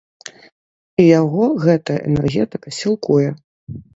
І яго гэтая энергетыка сілкуе.